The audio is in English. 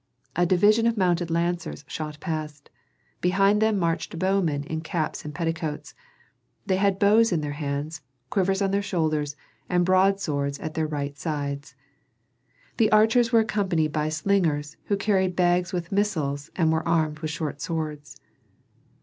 A division of mounted lancers shot past. Behind them marched bowmen in caps and petticoats; they had bows in their hands, quivers on their shoulders, and broadswords at their right sides. The archers were accompanied by slingers who carried bags with missiles and were armed with short swords.